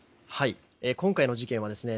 今回の事件はですね